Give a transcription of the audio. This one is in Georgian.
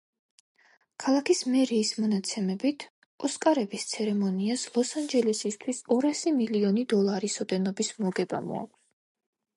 ქალაქის მერიის მონაცემებით, „ოსკარების“ ცერემონიას ლოს-ანჯელესისთვის ორასი მილიონი დოლარის ოდენობის მოგება მოაქვს.